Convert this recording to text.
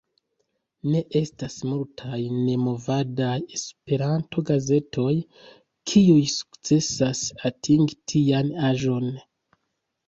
Ne estas multaj nemovadaj Esperanto-gazetoj, kiuj sukcesas atingi tian aĝon.